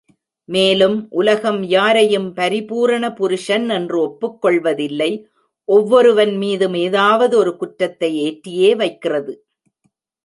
மேலும், உலகம் யாரையும் பரிபூரண புருஷன் என்று ஒப்புக்கொள்வதில்லை ஒவ்வொருவன் மீதும் ஏதாவது ஒரு குற்றத்தை ஏற்றியே வைக்கிறது.